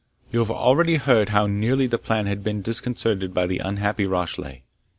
You have already heard how nearly the plan had been disconcerted by the unhappy Rashleigh.